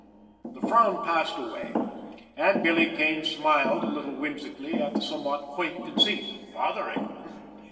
The frown passed away, and Billy Kane smiled a little whimsically at the somewhat quaint conceit. Fathering!